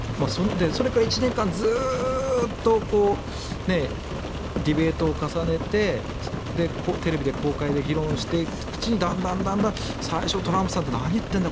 それから１年間ずっとディベートを重ねてテレビで公開で議論していくうちにだんだんトランプさんって何言ってるんだ